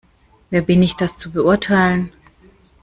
Wer bin ich, das zu beurteilen?